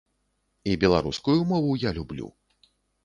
І беларускую мову я люблю.